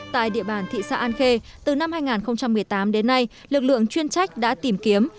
tại địa bàn thị xã an khê từ năm hai nghìn một mươi tám đến nay lực lượng chuyên trách đã tìm kiếm